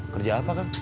kerja apa kang